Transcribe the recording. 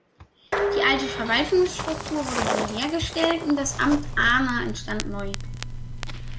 Die alte Verwaltungsstruktur wurde wiederhergestellt und das Amt Ahna entstand neu.